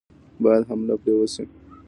باید حمله پرې وشي.